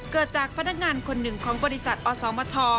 เกิดจากพนักงานคนหนึ่งของบริษัทอสมท